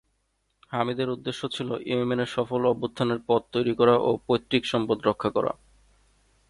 হামিদের উদ্দেশ্য ছিল ইয়েমেনে সফল অভ্যুত্থানের পথ তৈরী করা ও "পৈতৃক সম্পদ" রক্ষা করা।